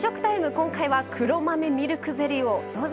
今回は黒豆ミルクゼリーをどうぞ。